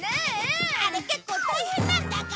あれ結構大変なんだから！